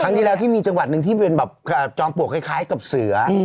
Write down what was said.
ที่แล้วที่มีจังหวัดหนึ่งที่เป็นแบบจอมปลวกคล้ายกับเสือ